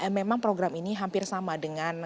memang program ini hampir sama dengan